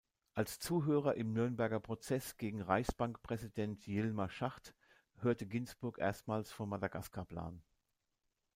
Als Zuhörer im Nürnberger Prozess gegen Reichsbankpräsident Hjalmar Schacht hörte Ginsburg erstmals vom Madagaskarplan.